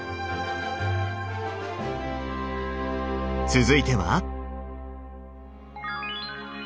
続いては？